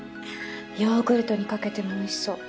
ヨーグルトにかけてもおいしそう。